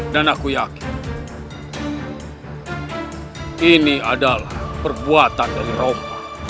dan aku yakin ini adalah perbuatan dari roma